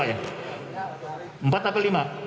empat atau lima